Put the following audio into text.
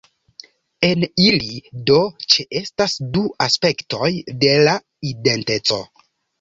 En ili, do, ĉeestas du aspektoj de la identeco.